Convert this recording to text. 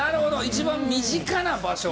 一番身近な場所。